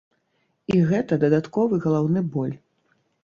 І гэта дадатковы галаўны боль.